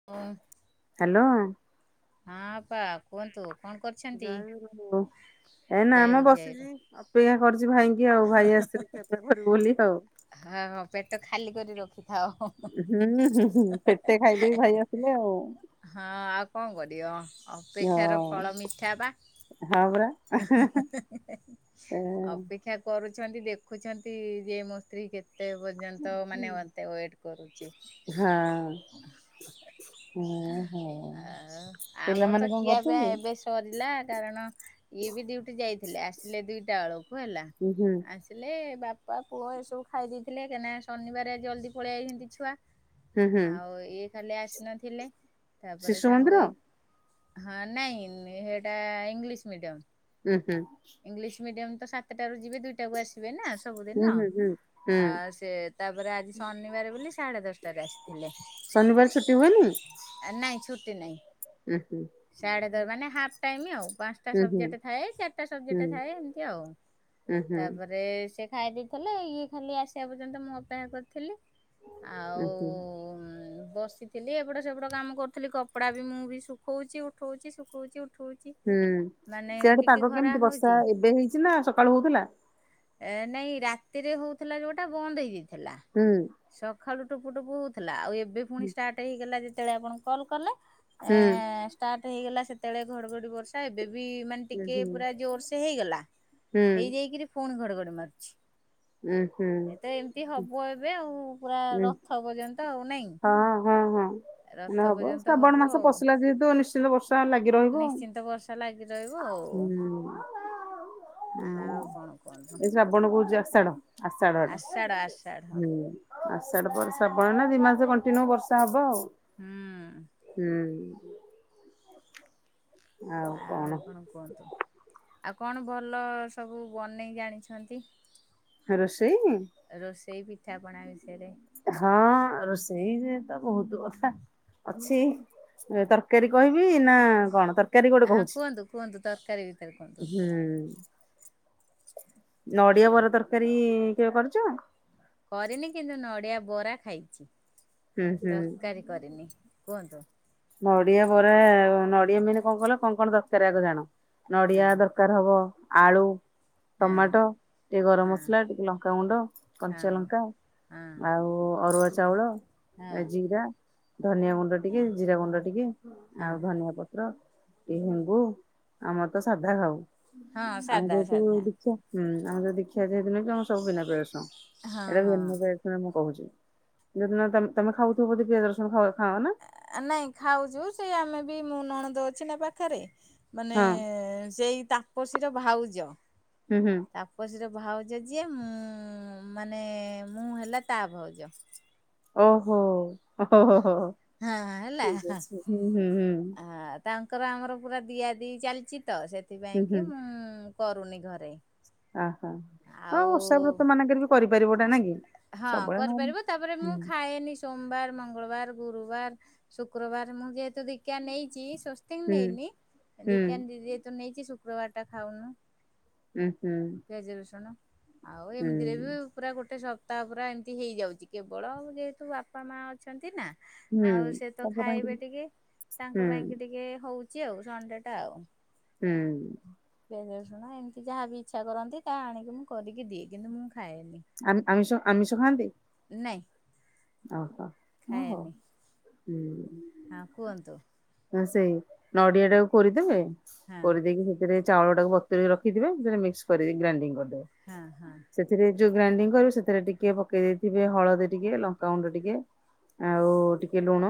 [unintelligible] Hello. ହଁ ଅପା କୁହନ୍ତୁ। କଣ କରୁଛନ୍ତି? [unintelligible] ଏ ନା ମ ଜୟଗୁରୁ ଜୟଗୁରୁ ବସିଚି ଅପେକ୍ଷା କରିଛି ଭାଇଙ୍କୁ। ଆଉ ଭାଇ ଆସିଲେ ଖିଆପିଆ କରିବୁ ବୋଲି ଆଉ। ହଁ-ହଁ ପେଟ ଖାଲି କରି ରଖିଥାଅ, ହୁଁ ହୁଁ ହୁଁ ପେଟେ ଖାଇଦେବି ହଁ-ହଁ-ହେ-ହେ-ହେ-ହେ। ଭାଇ ଆସିଲେ ଆଉ ହଁ ଆଉ କଣ କରିବ, ଆଉ ହଁ ଅପେକ୍ଷାର ଫଳ ମିଠା ବା, ହଁ ପରା ଏ ଏଁ-ହେ-ହେ-ହେ-ହେ-ହେ ଅପେ କରୁଛନ୍ତି ଦେଖୁଛନ୍ତି ଯେ ମୋ ସ୍ତ୍ରୀ କେ ତେ ପର୍ଯ୍ୟନ୍ତ ମାନେ ମତେ ୱେଟ୍ କରୁଚି। ହଁ ହଁ ହଁ ଆଉ ଆମର ତ ପିଲାମାନେ କଣ ଖିଆପିଆ କରୁଛନ୍ତି ଏବେ ସରିଲା କାରଣ ଇଏ ବି ଡ୍ୟୁଟି ଯାଇଥିଲେ, ଆସିଲେ ଦୁଇଟା ବେଳକୁ ହେଲା। ଉ-ହୁଁ। ଆସିଲେ ବାପା ପୁଅ ଏସବୁ ଖାଇ ଦେଇଥିଲେ, କାଇଁନା ଶନିବାରେ ଜଲ୍ଦି ପଳେଇ ଆଇଚନ୍ତି ଛୁଆ। ହୁଁ ହୁଁ ଆଉ ଇଏ ଖାଲି ଆସିନଥିଲେ, ତାପରେ ଶିଶୁ ମନ୍ଦିର ସାଙ୍ଗହେଇ ହଁ ନାଇଁ ହେଇଟା ଇଂଲିଶ୍ ମିଡିୟମ୍। ଉଁ-ହୁଁ। ଇଂଲିଶ୍ ମିଡିୟମ୍ ତ ସାତେଟାରୁ ଯିବେ ଦୁଇଟାକୁ ଆସିବେ ନା ହୁଁ ସବୁଦିନ, ହୁଁ ହୁଁ ହୁଁ ଆ ସେ ତାପରେ ଆଜି ଶନିବାର ବୋଲି ସାଢ଼େ ଦଶଟାରେ ଆସିଥିଲେ। ଶନିବାର ଛୁଟି ହୁଏନି? ଆ ନାଇଁ ଛୁଟି ନାହିଁ। ଉଁ-ହୁଁ। ସାଢେ ଦ ମାନେ ହାପ୍ ଟାଇମ୍ ଆଉ ପାଞ୍ଚଟା ହୁଁ ସବଜେକ୍ଟ ଥାଏ, ସେ ହୁଁ ସବଜେକ୍ଟ ଥାଏ ଏମ୍ତି ଆଉ, ହୁଁ ହୁଁ ହୁଁ ତାପରେ ରେ ସେ ଖାଇ ଦେଇଥେଲେ, ଇଏ ଖାଲି ଆସିବା ପର୍ଯ୍ୟନ୍ତ ମୁଁ ଅପେକ୍ଷା କରିଥେଲି। ହୁଁ ଆଉ ହୁଁ ଉଁ ବସି ଥିଲି ଏପଟ ସେପଟ କାମ କରୁଥିଲି, କପଡ଼ା ବି ମୁଁ ବି ଶୁଖଉଚି ଉଠଉଚି ଶୁଖଉଚି ଉ ଉଠୋଉଚି, ହୁଁ ମାନେ ସିଆଡେ ଟି ପାଗ କେମିତି ବର୍ଷା ଏବେ ହେଇଛି ନା ସକାଳୁ ହଉଥିଲା? ଏ ନାଇଁ ରାତିରେ ହଉଥିଲା ଯୋଉଟା ବନ୍ଦ ହେଇଯାଇଥିଲା। ହୁଁ। ସକାଳୁ ଟୋପୁ ଟୋପୁ ହଉଥିଲା ଆଉ ଏବେ ହୁଁ ପୁଣି ଷ୍ଟାର୍ଟ ହେଇଗଲା ଯେତେବେଳେ ଆପଣ କଲ୍ କଲେ। ଆ ହୁଁ ଷ୍ଟାର୍ଟ ହେଇଗଲା ସେତେବେଳେ ଘଡଘଡି ବର୍ଷା ଏବେ ବି ମାନେ ହୁଁ ଟିକେ ହୁଁ ପୁର ଜୋର୍ ସେ ହେଇଗଲା ହେଇଯାଇକିରି ପୁଣି ଘଡଘଡି ମାରୁଛି। ହୁଁ ଏ ତ ଏମିତି ହବ ଏବେ ଆଉ ପୁରା ହୁଁ ରଥ ପର୍ଯ୍ୟନ୍ତ ଆଉ ନାଇଁ? ହଁ ହଁ ହଁ। ମାନେ ରଥ ହବ ପର୍ଯ୍ୟନ୍ତ ଶ୍ରାବଣ ହବ ମାସ ଆଉ ପଶିଲା ଯେହେତୁ ନିଶ୍ଚିନ୍ତ ବର୍ଷା ଲାଗି ରହିବ ଆଉ। ନିଶ୍ଚିନ୍ତ ବର୍ଷ ର୍ଷା ଲାଗି ରହିବ ହୁଁ ଆଉ ହୁଁ ଆଉ କଣ କୁହନ୍ତୁ? ଏ ଶ୍ରାବଣ କହୁଛି ଆଷାଢ ଆଷାଢଏଟା ଆଷାଢ ଆଷାଢ ହୁଁ ଆଷାଢ ପରେ ଶ୍ରାବଣ ଏଇନା ଦି ମାସ କଣ୍ଟିନ୍ୟୁ ବର୍ଷା ହବ ଆଉ ହୁଁ ହୁଁ ଆଉ କଣ? କୁହନ୍ତୁ ଆଉ କଣ ଭଲ ସବୁ ବନେଇ ଜାଣିଛନ୍ତି? ରୋଷେଇ? ରୋଷେଇ ପିଠାପଣା ବିଷୟରେ ହଁ ରୋଷେଇରେ ତ ବହୁତ କଥା ଅଛି ତର ତରକାରୀ କହିବି ନା କଣ ତରକାରୀ ଗୋଟେ ହଁ କହୁଛି କୁହନ୍ତୁ କୁହନ୍ତୁ ତରକାରୀ ଭିତରେ କୁହନ୍ତୁ। ହୁଁ ନଡିଆ ବରା ତରକାରୀ କେବେ କରିଛ? କରିନି କିନ୍ତୁ ନଡ଼ିଆ ବରା ଖାଇଛି ହୁଁ ହୁଁ ତରକାରୀ କରିନି କୁହନ୍ତୁ। ନଡିଆ ବରା ନଡିଆ ମେନ୍ କଣ କହିଲ କଣ କଣ ଦରକାର ଆଗ ଜାଣ ହଁ ନଡିଆ ଦର କାର ହବ ଆଳୁ ହଁ ଟମାଟୋ ଟିକେ ଗରମ ହଁ ମସଲା ଟିକେ ଲଙ୍କାଗୁଣ୍ଡ ହଁ କଞ୍ଚା ଲଙ୍କା ହଁ ଆଉ ଅରୁଆ ଚାଉଳ ହଁ ଜିଙ୍ଗା ଧନିଆ ଗୁଣ୍ଡ ଟିକେ ଜିରା ଗୁଣ୍ଡ ଟିକେ ହଁ ଆଉ ଧନିଆ ପ ତ୍ର ଏ ହେଙ୍ଗୁ ଆମର ତ ସାଧା ଖାଉ ହଁ ଆମ ସାଧା ଯେହେତୁ ସାଧା ଦୀକ୍ଷା। ହୁଁ ଆମେ ଯୋଉ ଦୀକ୍ଷା ଯେହେତୁ ନେଇଛୁ ଆମର ସବୁ ବିନା ପିଆଜ ରସୁଣ ହଁ ଏଇଟା ହଁ [unintelligible] ଶୁଣ ମୁଁ କହୁଛି ଯୋଉ ଦିନ ତମେ ତମେ ଖାଉଥିବ ବୋଧେ ପିଆଜ ରସୁଣ ଖାଅ-ଖାଅ ନା? ନାଇଁ ଖାଉଛୁ ସେ ଆମେ ବି ମୁଁ ନଣନ୍ଦ ଅଛି ନା ପାଖେରେ ମାନେ ହଁ ସେଇ ତାପସୀର ଭାଉଜ। ହୁଁ ହୁଁ। ତାପସୀର ଭାଉଜ ଯିଏ ମୁଁ ମାନେ ମୁଁ ହେଲା ତା ଭାଉଜ ଓହୋ ଓ ହୋ ହୋ ହଁ ହେଲା ଠିକ୍ ଅଛି ହୁଁ ହୁଁ ହୁଁ। ଆ ତାଙ୍କର ଆମର ପୁରା ଦିଆ ଦି ଚାଲିଛି ତ ହୁଁ ସେଥିପାଇଁ କି ମୁଁ କରୁନି ଘରେ। ଓହୋ ଆଉ ହଁ ଓଷାବ୍ରତ ମାନଙ୍କରେ ବି କରିପାରିବ ଏଟା ନା କି? ହଁ ସବୁବେଳେ ନହେଲେ କରିପାରିବ ତାପରେ ମୁଁ ହୁଁ ଖାଏନି ସୋମବାର, ମଙ୍ଗଳବାର, ଗୁରୁବାର, ଶୁକ୍ରବାର ମୁଁ ଯେହେତୁ ଦିକ୍ଷା ନେଇଛି। ତିଂ ହୁଁ ନେଇନି ହୁଁ ଦୀକ୍ଷା ଯେହେତୁ ନେଇଛି ଶୁକ୍ରବାର ଟା ଖାଉନୁ। ହୁଁ ହୁଁ। ପିଆଜ ରସୁଣ ଆଉ ଏମିତିରେ ବି ପୁରା ଗୋଟେ ସବ୍ ପ୍ତାହ ପୁରା ଏମିତି ହେଇଯାଉଛି କେବଳ ଯେହେତୁ ବାପା ମା ଅଛନ୍ତି ନା ହୁଁ ଆଉ ସେ ତ ତାଙ୍କ ପାଇଁ ଖାଇବେ ଟିକେ ତାଙ୍କ ପାଇଁ ହୁଁ କି ଟିକେ ହଉ ଛି ଆଉ ସଣ୍ଡେ ଟା ଆଉ। ହୁଁ। ପିଆଜ ରସୁଣ ଏମିତି ଯାହା ବି ଇଚ୍ଛା କରନ୍ତି ତାହା ଆଣିକି ମୁଁ କରିକି ଦିଏ କିନ୍ତୁ ମୁଁ ଖାଏନି। ଆମ ଆମିଷ ଆମିଷ ଖାଆନ୍ତି? ନାହିଁ। ଓହୋ ହଁ ହଉ ହୁଁ। ହଁ କୁହନ୍ତୁ। ହ ସେଇ ନଡିଆ ଟାକୁ କୁରିଦେବେ ହଁ କୁରିଦେଇକି ସେଥିରେ ଚାଉଳଟାକୁ ବତୁରେଇ ରଖିଥିବ ସେଥିରେ ମିକ୍ସ କରି ଗ୍ରାଇଣ୍ଡିଙ୍ଗ କରିଦେବେ। ହଁ ହଁ। ସେଥିରେ ଯେଉଁ ଗ୍ରାଇଣ୍ଡିଙ୍ଗ କରିବେ ସେଥିରେ ଟିକିଏ ପକାଇ ଦେଇଥିବେ ହଳଦୀ ଟିକେ ଲଙ୍କାଗୁଣ୍ଡ ଟିକିଏ ଆଉ ଟିକେ ଲୁଣ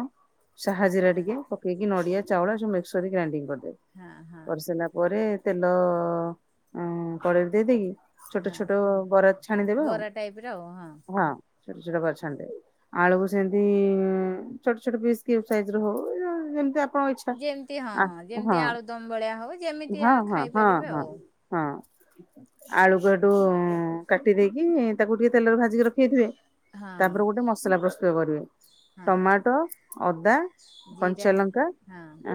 ସାହାଜିରା ହଁ ଟିକେ ପକେଇକି ନଡ଼ିଆ ଚାଉଳ ସବୁ ମିକ୍ସ କରିିକି ଗ୍ରାଇଣ୍ଡିଙ୍ଗ କରିଦେବ ହଁ ହଁ କରିସାରିଲା ପରେ ତେଲ ଉ କଡ଼େଇରେ ଦେଇଦେଇକି ଛୋଟ ହଁ ଛୋଟ ବରା ଛାଣିଦେବେ ଆଉ ବରା ଟାଇପ ର ଆଉ ହଁ ଛୋଟ ଛୋଟ ବରା ଛାଣିଦେବେ। ଆଳୁକୁ ସେମିତି ଛୋଟ ଛୋଟ ପିସ୍ କ୍ୟୁବ ସାଇଜର ହଉ ଯେମତି ଇଛା ଯେମିତି ହଁ ଯେମିତି ଆଳୁଦମ ଭଳିଆ ହଉ ଯେମିତି ହଁ ହଁ ହଁ ଖାଇପାରିବେ ହଁ। ଆଉ ହଁ ଆଳୁକୁ ଏଠୁ କାଟି ଦେଇକି ତାକୁ ଟିକେ ତେଲରେ ଭାଜିକି ରଖ ରଖି ଦେଇଥିବେ ହଁ ତାପରେ ଗୋଟେ ମସଲା ପ୍ରସ୍ତୁତ କରିବେ ହଁ। ଟମାଟୋ ଅଦା ଜିରା କଞ୍ଚା ଲଙ୍କା ହଁ ଆ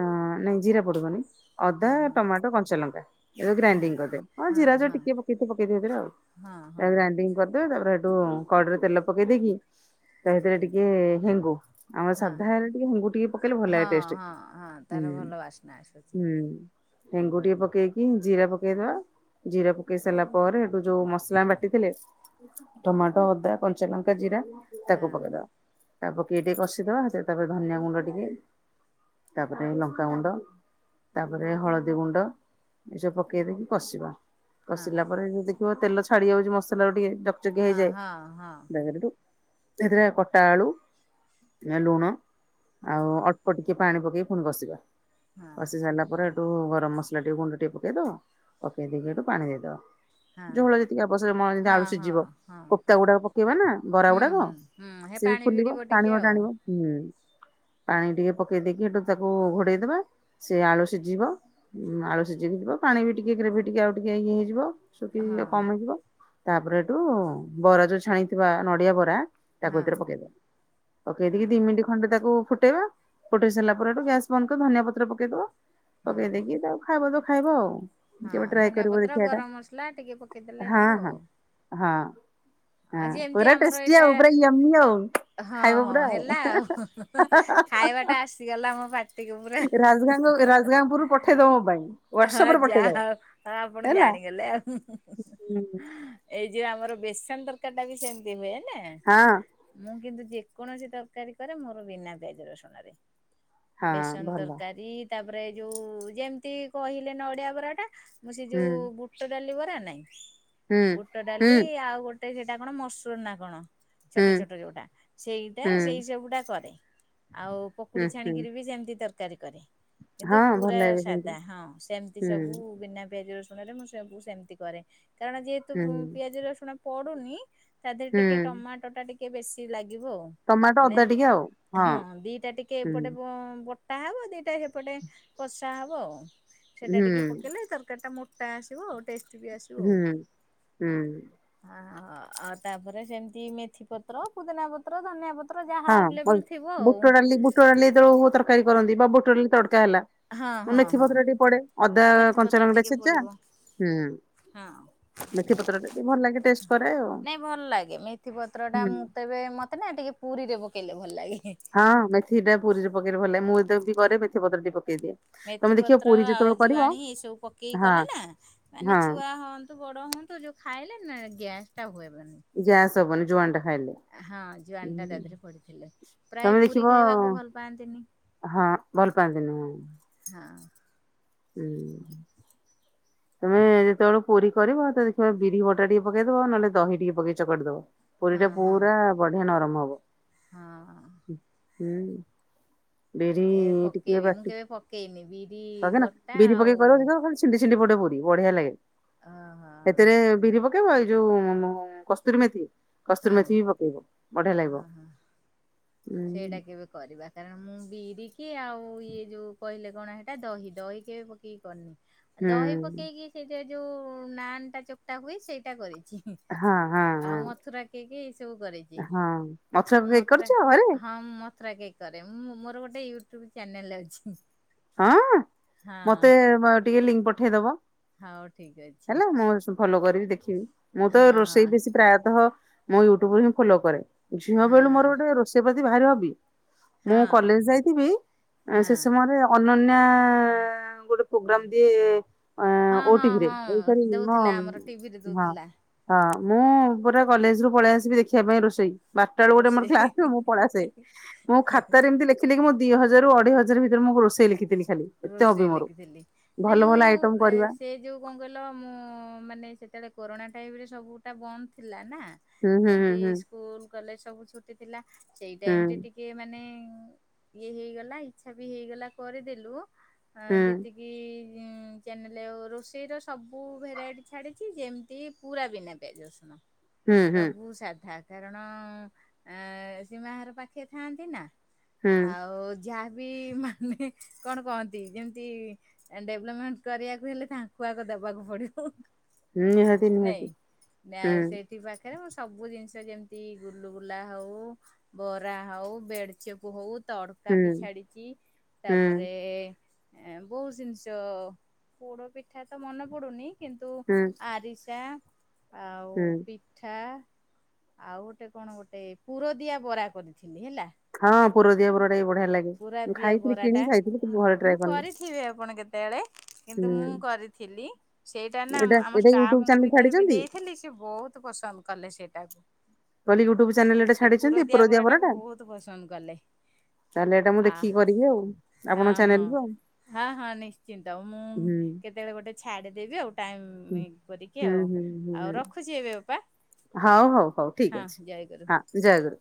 ନାଇଁ ଜୀରା ପଡ଼ିବନି। ଅଦା ଓହୋ ଟମାଟୋ କଞ୍ଚାଲଙ୍କା। ଏବେ ହଁ ଗ୍ରାଇଣ୍ଡିଙ୍ଗ କରିଦେବେ ହଉ ହଁ ଜିରା ଯଦି ହଁ ଟିକେ ପକେଇଥିବେ ପକେଇଥିବେ ଜିରା ଆଉ ହଁ ଆଉ ହଁ ଗ୍ରାଇଣ୍ଡିଙ୍ଗ କରିଦେବେ ତାପରେ ସେଠୁ କଡେଇରେ ତେଲ ପକେଇ ଦେଇକି ତା ସେଥିରେ ଟିକେ ହେଙ୍ଗୁ। ଆମ ହଁ ସାଧାରେ ଟିକେ ହେଙ୍ଗୁ ଟିକେ ପକେଇଲେ ଭଲଲାଗେ ହଁ ଟେଷ୍ଟ ହଁ ହଁ ହୁଁ ତାର ଭଲ ବାସ୍ନା ଆସୁଛି ହୁଁ। ହେଙ୍ଗୁ ଟିକେ ପକେଇକି ଜିରା ପକେଇଦବା। ଜିରା ପକେଇ ସାରିଲା ପରେ ଏଠୁ ଯୋଉ ମସଲା ଆମେ ବାଟିଥିଲେ। ଟମାଟ ଅଦା କଞ୍ଚାଲଙ୍କା ଜିରା ତାକୁ ହଁ ପକେଇଦବା। ତା ପକେଇ ଟିକେ କଷିଦବା ତାପରେ ଧନିଆ ଗୁଣ୍ଡ ଟିକେ ତାପରେ ଲଙ୍କାାଗୁଣ୍ଡ ତାପରେ ହଳଦୀ ଗୁଣ୍ଡ ଏସବୁ ପକାଇ ଦେଇକି କଷିବା। ହଁ କଷିଲା ପରେ ଯଉ ଦେଖିବ ତେଲ ଛାଡି ଯାଉଛି ମସଲା ରୁ ଟିକେ ଯକଚକିଆ ହଁ ହେଇଯାଏ ହଁ ହଁ ତାପରେ ସେଠୁ ସେଥିରେ କଟା ଆଳୁ ଲୁଣ ହଁ ଆଉ ଅଳ ଅଳ୍ପ ଟିକେ ପାଣି ପକେଇ ପୁଣି କସିବା ହଁ କସିି ସାରିଲା ପରେ ଟୁ ଗରମ ମସଲା ଟିକେ ଗୁଣ୍ଡ ଟିକେ ପକେଇ ଦବ ପକେଇ ଦେଇକି ଏଇଠୁ ପାଣି ଦେଇଦବ। ହଁ ଝୋଳ ଯେତିକି ଆବଶ୍ୟକ ମ ଯେମିତି ଆଳୁ ହଁ ହଁ ସିଝିବ ହଁ କୋପ୍ତା ଗୁଡାକ ପକେଇବା ନା ବରା ହୁଁ ଗୁଡାକ। ହୁଁ ହୁଁ ହେ ସେ ବି ପାଣି ଫୁଲିବ ଭିଡ଼ିବ ଟିକେ ଟାଣିବ ଆଉ ଟାଣିବ ହୁଁ। ପାଣି ଟିକେ ପକେଇ ଦେଇକି ସେଠୁ ତାକୁ ଘୋଡେଇଦବା। ସେ ଆଳୁ ସିଝିବ ଉମ ଆଳୁ ସିଝିକି ଯିବ ପାଣି ବି ଟିକେ ଗ୍ରେଭି ଟିକେ ଆଉ ଟିକେ ଇଏ ହେଇଯିବ। ହଁ ଶୁଖିକି କମ ହେଇଯିବ ତାପରେ ଏଇଠୁ ବରା ଯୋଉ ଛାଣିଥିବା ନଡିଆ ବରା ତାକୁ ହଁ ଏଥିରେ ପକେଇଦବା ପକେଇଦେଇକିି ଦି ହଁ ମିଣ୍ଟି ଖ ଖଣ୍ଡେ ତାକୁ ଫୁଟେଇବା ଫୁଟେଇ ସାରିଲା ପରେଠୁ ଗ୍ୟାସ୍ ବନ୍ଦ କରି ଧନିଆ ପତ୍ର ପକଦବା ହଁ ପକେଇ ଦେଇକି ତାକୁ ଖାଇବ ତ ଖାଇବ ଆଉ କେବେ ହଁ ଟ୍ରାଏ ଧନିଆ କରିବ ପତ୍ର ଦେଖିଆ ଏଟା ଗରମ ମସଲା ଟିକେ ପକେଇଦେଲେ ହାଁ ହେବ ହାଁ। ଆଉ ହଁ ଆଉ ହଁ ଯେମିତି ପୁରା ଆମର ଟେଷ୍ଟି ଏଇଟା ଆଉ। ପୁରା ୟମି ଆଉ ହଁ ଖାଇବ ହଁ ପୁରା ଆଉ ହେଲା ହାଁ ହାଁ ହାଁ ହାଁ ହାଁ ହାଁ। ତି ଗଲା ମୋ ପା ଟିକ ପୁରା ରାଜଗାଙ୍ଗପୁରରୁ ପଠେଇଦବ ମୋ ପାଇଁ ହାଁ ହାଁ ହାଁ ହାଁ ହ୍ୱାଟସଆପ ହଁ ରେ ଯା ପଠେଇଦବ ହଉ ଯା। ହଁ ଆପଣ ହେଲା। ଜାଣିଗଲେ ଆଉ ହୁଁ ହୁଁ ହୁଁ। ଏଇ ଯୋଉ ଆମର ବେସନ ତରକାରୀ ଟା ବି ସେମିତି ହୁଏ ନା। ହଁ ମୁଁ କିନ୍ତୁ ଯେକୌଣସି ତରକାରୀ କରେ ମୋର ବିନା ପିଜ ରସୁଣରେ। ହଁ ବେସନ୍ ଭଲ ତରକାରୀ ତାପରେ ଯୋଉ ଯେମିତି କହିଲେ ନଡିଆ ବରାଟା। ମୁଁ ସେ ହୁଁ ଯୋଉ ବୁଟ ଡାଲି ବରା ନାଇଁ ହୁଁ। ବୁଟ ହୁଁ ଡାଲି ଆଉ ଗୋଟ୍ ତେ ସେଇଟା କଣ ମସୁର ନା କଣ‍? ହୁଁ ଛୋଟ ଛୋଟ ଯୋଉଟା ସେଇଟା ହୁଁ ସେଇ ସବୁଟା କରେ ଆଉ ହୁଁ ପକୁଡି ହୁଁ ଛାଣିକିରି ବି ସେମତି ତରକାରୀ କରେ। କିନ୍ତୁ ହଁ ଭଲ ପୁରା ଲାଗେ ସେମିତି ସାଧା ହଁ ସେମିତି ସବୁ ହୁଁ। ବିନା ପିଆଜ ରସୁଣରେ ମୁଁ ପୁରା ସବୁ ସେମତି କରେ କାରଣ ଯେହେତୁ ହୁଁ ମୁ ପିଆଜ ରସୁଣ ପଡୁନି ତା ଦେହରେ ଟିକେ ହୁଁ ଟମା ଟା ଟିକେ ବେଶୀ ଲାଗିବ ଆଉ। ଟମାଟୋ ମାନେ ଅଦା ଟିକେ ଆଉ ହଁ ଦିଟା ଟିକେ ହୁଁ। ଏପଟେ ବଂ ବ ଟା ହବ ଦିଟା ହେପଟେ କଷା ହବ ଆଉ ସେଟା ହୁଁ ଟିକେ ପକେଇଲେ ତରକାରୀଟା ମୋ ଟା ଆସିବ ଟେଷ୍ଟ ବି ଆସିବ। ହୁଁ ଆଉ। ହୁଁ। ହଁ ଅ ଆଉ ତାପରେ ସେମତି ମେଥି ପତ୍ର ପୁଦିନା ପତ୍ର ଧନିଆ ପତ୍ ର ଯାହା ଆଭେଲେବଲ୍ ଥିବ ଆଉ। ବୁଟଡାଲି ବେଳକୁ ତରକାରୀ କରନ୍ତି ବ ବୁଟଡ଼ାଲି ତଡକା ହେଲା ହଁ ହଁ ମେଥି ହଁ। ପତ୍ର ଟି ପଡେ। ଅଦା ମେଥି ପତ୍ର କଞ୍ଚାଲଙ୍କା ଟାଏ ଟିକେ ଛେଚା ପଡିବ ହୁଁ ହଁ। ମେଥି ପତ୍ର ଟାଏ ଟିକେ ଭଲ ଲାଗେ ଟେଷ୍ଟ। କରେ ଆଉ। ନାଇଁ ଭଲ ଲାଗେ ମେଥି ପତ୍ର ଟା ହୁଁ ମୁଁ ତେବେ ମତେ ନା ଟିକେ ପୁରୀରେ ପକେଇଲେ ଭଲ ଲାଗେ ହେ। ହଁ ମେଥି ଟା ପୁରି ରେ ପକେଇଲେ ଭଲ ଲା ମୁଁ ଦେବି କରେ ମେଥି ପତ୍ର ଟି ପକେଇଦିଏ। ତମେ ଦେଖିବ ମେଥିପତ୍ର ପୁରୀ ଆଉ ଯେତେବେଳେ କରିବ ଜୁଆଣି ଏସବୁ ପକେଇକି ହଁ କଲେ ନା ମାନେ ହଁ ଛୁଆ ହନ୍ ବଡ଼ ହୁଅ ତୁ ଯୋଉ ଖାଇଲେ ନା ଗ୍ୟାସ ଟା ହୁଏ। ଗ୍ୟାସ୍ ହବନି ଜୁଆନିଟା ଖାଇଲେ। ହଁ ଜୁଆନୀଟା ଟା ହୁଁ ଦାଦିରେ ପଡ଼ିଥିଲେ ପ୍ରାୟ ତମେ ପୁରୀ ଦେଖିବ ଖାଇବାକୁ ଭଲ ପାଆନ୍ତି ନି। ହଁ ଭଲ ପାଆନ୍ତିନି। ହଁ। ହୁଁ। [inaudible] ତମେ ଯେତେବେଳେ ପୁରୀ କରିବ ଦେଖିବା ବିରି ବଟା ଟିକେ ପକେଇଦବା ନହେଲେ ଦହି ଟିକେ ପକେଇ ଚକଟିଦବ। ପୁରି ହଁ ଟା ହଁ ପୁରା ବଢ଼ିଆ ନରମ ହବ। ହଁ। ହୁଁ। ବିରି ଏ ଟିକେ ପକେଇବି ମୁଁ କେବେ ପକେଇନି ବିରି ନା ବଟା [inaudible] ବିରି ଆଉ ପକେଇକି କରାଉଛି ତ ଖାଲି ଛିଣ୍ଡି ଛିଣ୍ଡି ପଟେ ପୁରୀ ବଢ଼ିଆ ଲାଗେ। ଓହୋ ଏଥିରେ ବିରି ପକେଇ ପକେଇବ ଏଇ ଯୋଉ, କସ୍ତୁରୀ ମେଥି ହଁ କସ୍ତୁରୀ ମେଥି ବି ପକେଇବ ବଢ଼ିଆ ଲାଗିବ। ଓହୋ। ଉଁ ସେଇଟା କେବେ କରିବା। କାରଣ ମୁଁ ବିରିକି ଆଉ ଇଏ ଯୋଉ କହିଲେ କଣ ହେଟା ଦହି ଦହି କେବେ ପକେଇକି କରିନି। ହୁଁ ଦହି ପକେଇକି ସେଇଟା ଯୋଉ ନାନ୍ ଟା ଚକ୍ଟା ହୁଏ ସେଇଟା କରିଛି। ହଁ ହଁ ହଁ ଆଉ ମଥୁରା କେକ ଏଇ ସବୁ କରିଛି, ହଁ ହଉ କେକ୍ କରିଛ ମଥୁରା ଘରେ ହଁ ମୁଁ ମଥୁରା କେକ୍ କରେ, ମୁଁ ମୋର ଗୋଟେ ୟୁଟ୍ୟୁବ ଚ୍ୟାନେଲ ଅଛି। ହଁ ହଁ ମତେ ଟିକେ ଲିଙ୍କ ପଠେଇଦବ ହଉ ଠିକ ଅଛି ହେଲା ମୁଁ ସବୁ ସବୁ ଫଲୋ କରିବି ଦେଖିବି। ମୁଁ ତ ହଁ ହଁ ରୋଷେଇ ବେଶୀ ପ୍ରାୟତଃ ମୁଁ ୟୁଟ୍ୟୁବ ରୁ ହିଁ ଫଲୋ କରେ। ଝିଅ ବେଳୁ ମୋର ହଁ। ଗୋଟେ ରୋଷେଇ ପ୍ରତି ଭାରି ହବି। ହଁ ମୁଁ କଲେଜ ଯାଇଥିବି ହଁ ସେ ସମୟରେ ଅନନ୍ୟା ଗୋଟେ ପ୍ରୋଗ୍ରାମ ଦିଏ। ଅ ହଁ ହଁ ଓଟିଭିରେ, ଏଇ ହଁ ଦଉଥିଲା ଆମର ଟିଭିରେ ହଁ। ଦଉଥିଲା ହଁ ମୁଁ ପୁରା କଲେଜ ରୁ ପଳେଇ ଆସିବି ଦେଖିବା ପାଇଁ ରୋଷେଇ। ବାରଟା ବେଳ ଗୋଟେ ମୋର କଲାସ ରୋଷେଇ ମୁଁ ପଳାସେ ମୁଁ ଖାତାରେ ଏମିତି ଦେଖୁଥିଲି କି ମୁଁ ଦି ହଜାରରୁ ଅଢେଇ ହଜାର ଭିତରେ ମୁଁ ରୋଷେଇ ଲେଖିଥିଲି ଖାଲି। ଏତେ ହବି ରୋଷେଇ ମୋର। ଲେଖିଥିଲି ନା ଭଲ ମୁଁ ଭଲ ଆଇଟମ ଏ କରିବା ସେ ଯୋଉ କଣ କହିଲ ମୁଁ ମାନେ ସେତେବେଳେ କରୋନା ଟାଇମ ରେ ସବୁଟା ବନ୍ଦ ଥିଲା ନା। ହୁଁ ହୁଁ ଯେମିତି ହୁଁ ସ୍କୁଲ କଲେଜ ସବୁ ଛୁଟି ଥିଲା। ସେଇ ହୁଁ ଟାଇମ ରେ ଟିକେ କିଏ ମାନେ, ଇଏ ହେଇଗଲା ଇଚ୍ଛା ବି ହେଇଗଲା କରିଦେଲୁ। ଆ ହୁଁ ଯେତିକି ଚେନେଲ୍ ରେ ରୋଷେଇ ର ସବୁ ଭେରାଇଟି ଛାଡ଼ିଛି। ଯେମିତି ପୁରା ବିନା ପିଆଜ ରସୁଣ। ହୁଁ ହୁଁ ହୁଁ। ସବୁ ସାଧା। କାରଣ ଏ ସୀମାହାର ପାଖେ ଥାଆନ୍ତି ନା ହୁଁ ଆଉ ଯାହାବି ମାନେ କଣ କହନ୍ତି। ଯେମିତି ଡେଭଲପମେଣ୍ଟ କରିବାକୁ ହେଲେ ତାଙ୍କୁ ଆଗ ଦବାକୁ ପଡ଼ିବ। ନିହାତି ନିହାତି ନାଇଁ ନା ହୁଁ ସେ ସେଠି ପାଖରେ ମୁଁ ସବୁ ଜିନିଷ ଯେମିତି ଗୁଲୁ ଗୁଲା ହଉ। ବରା ହଉ ବେଡ ଚେପ୍ ହଉ ହୁଁ ତରକାରୀ ଛାଡ଼ିଛି ହୁଁ ତାପରେ ଏଁ ବହୁତ ଜିନିଷ ପୋଡ଼ ପିଠା ତ ମନେ ପଡୁନି କିନ୍ତୁ ହୁଁ ଆରିସା ଆଉ ହୁଁ। ପି ପିଠା ଆଉ ଗୋଟେ କଣ ଗୋଟେ ପୁରଦିଆ ବରା କରିଥିଲି ହେଲା। ହଁ ପୁରଦିଆ ବରାଟା ବି ବଢ଼ିଆ ଲାଗେ। ପୁର ମୁଁ ଦିଆ ଖାଇଥିଲି ବରା ଟା, କିଣିକି ଖାଇଥିଲି କିନ୍ତୁ ଘରେ ହଁ ଟ୍ରାଏ କରିନି। କରିଥିବେ ଆପଣ କେତେବେଳେ। କିନ୍ତୁ ମୁଁ ହୁଁ କରିଥିଲି। ସେଇଟା ନା ଏଇଟା ଆମ ଏଇଟା ୟୁଟ୍ୟୁବ ଷ୍ଟାଫଙ୍କ ଚ୍ୟାନେଲ ଭିତରେ ବି ଛାଡିଛନ୍ତି ଦେଇଥିଲି ସେ ବହୁତ ପସନ୍ଦ କଲେ ସେଇଟାକୁ। ମୁଁ କହିଲି ୟୁଟ୍ୟୁବ ଚ୍ୟାନେଲ ରେ ଏଟା ସେ ଛାଡିଛନ୍ତି ପୁରଦିଆ ବରାଟାକୁ ବରାଟା? ବହୁତ ପସନ୍ଦ କଲେ ତାହେଲେ ଏଇଟା ମୁଁ ଆ ଦେଖିକି କରିବି ଆଉ, ହଁ ଆପଣଙ୍କ ହଁ। ଚ୍ୟାନେଲ ରୁ ଆଉ। ହଁ ହଁ ନିଶ୍ଚିନ୍ତ, ମୁଁ ହୁଁ। କେତେବେଳେ ଗୋଟେ ଛାଡିଦେବି ଆଉ। ହୁଁ ଟାଇମ କରିକି ହୁଁ ଆଉ, ହୁଁ ହୁଁ ଆଉ ରଖୁଛି ଏବେ ଅପା? ହଉ ହଉ ହଉ ହଁ ଠିକ ଅଛି, ଜୟ ଗୁରୁ। ହଁ ଜୟଗରୁ।